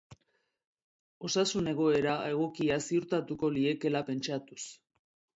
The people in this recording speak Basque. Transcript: Osasun egoera egokia ziurtatuko liekeela pentsatuz.